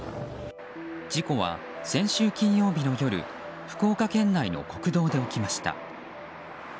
事故は先週金曜日の夜福岡県内の国道で起きました。